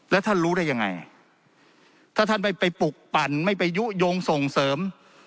แล้วท่านรู้ได้ยังไงถ้าท่านไม่ไปปลุกปั่นไม่ไปยุโยงส่งเสริม